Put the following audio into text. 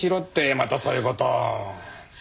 またそういう事を。